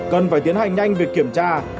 cần phải tiến hành nhanh việc kiểm tra